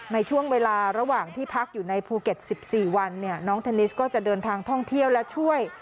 ในช่วงเวลาระหว่างที่พักอยู่ในภูเก็ต๑๔วันน้องเทนนิสก็จะเดินทางท่องเที่ยวและช่วย